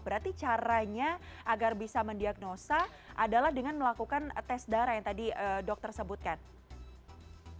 berarti caranya agar bisa mendiagnosa adalah dengan melakukan tes darah yang tadi dokter sebutkan